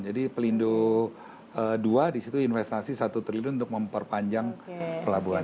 jadi pelindung dua disitu investasi satu triliun untuk memperpanjang pelabuhan